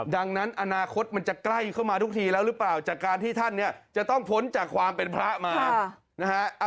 ดังนั้นอนาคตมันจะใกล้เข้ามาทุกทีแล้วหรือเปล่าจากการที่ท่านเนี่ยจะต้องพ้นจากความเป็นพระมานะฮะ